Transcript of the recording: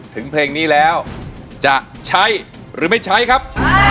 เพลงนี้แล้วจะใช้หรือไม่ใช้ครับ